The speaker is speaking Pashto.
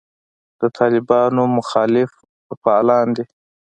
د طالبانو مخالف فعالان دي.